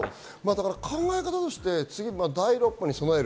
考え方として第６波に備える。